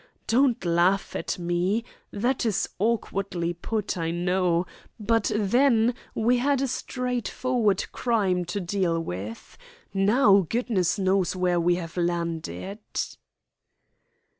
Don't laugh at me. That is awkwardly put, I know. But then we had a straightforward crime to deal with. Now, goodness knows where we have landed."